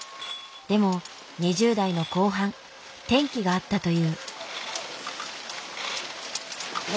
でも２０代の後半転機があったという。